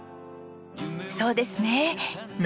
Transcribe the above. そうですね。